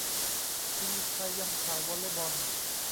ทีวีไทยยังถ่ายวอลเล่ย์บอล